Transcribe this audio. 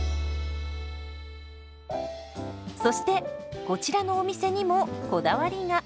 そしてこちらのお店にもこだわりが。